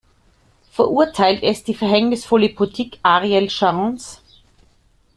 Verurteilt es die verhängnisvolle Politik Ariel Sharons?